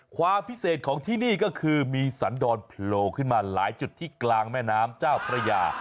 ความพิเศษของที่นี่ก็คือมีสันดรโผล่ขึ้นมาหลายจุดที่กลางแม่น้ำเจ้าพระยา